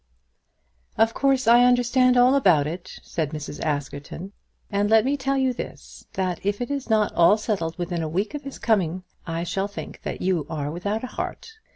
"Of course I understand all about it," said Mrs. Askerton; "and let me tell you this, that if it is not all settled within a week from his coming here, I shall think that you are without a heart.